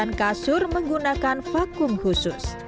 dan kasur menggunakan vakum khusus